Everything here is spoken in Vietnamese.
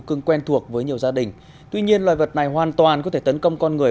cưng quen thuộc với nhiều gia đình tuy nhiên loài vật này hoàn toàn có thể tấn công con người